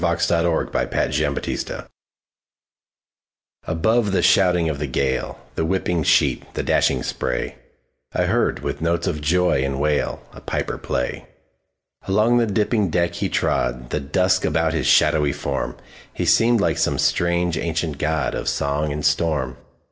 Clinton Scollard Bag Pipes at Sea ABOVE the shouting of the gale, The whipping sheet, the dashing spray,I heard, with notes of joy and wail,A piper play. Along the dipping deck he trod, The dusk about his shadowy form; He seemed like some strange ancient godOf song and storm.